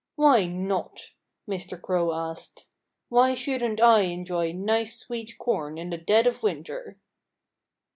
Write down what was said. "Why not?" Mr. Crow asked. "Why shouldn't I enjoy nice sweet corn in the dead of winter?"